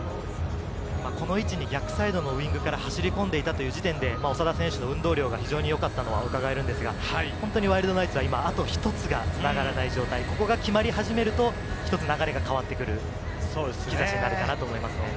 この位置に逆サイドのウイングから走り込んでいった時点で、長田選手の運動量が非常に良かったのは伺えるんですが、ワイルドナイツは今、あと一つが繋がらない状態、ここが決まり始めると、流れが変わってくる兆しになるかと思います。